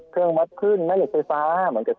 เครื่องวัดคุณและสไฟฟ้า